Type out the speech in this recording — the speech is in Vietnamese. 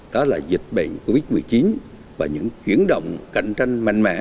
đó là dịch bệnh covid một mươi chín và những chuyển động cạnh tranh mạnh mẽ